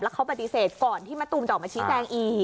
เขาปฏิเสธก่อนที่มะตูมจะออกมาชี้แจงอีก